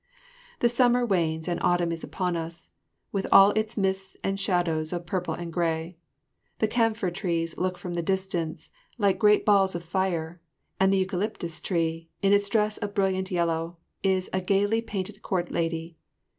The summer wanes and autumn is upon us with all its mists and shadows of purple and grey. The camphor trees look from the distance like great balls of fire, and the eucalyptus tree, in its dress of brilliant yellow, is a gaily painted court lady.